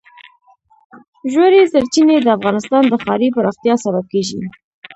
ژورې سرچینې د افغانستان د ښاري پراختیا سبب کېږي.